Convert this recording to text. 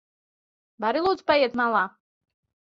Vari lūdzu paiet malā?